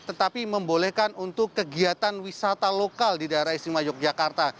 tetapi membolehkan untuk kegiatan wisata lokal di daerah istimewa yogyakarta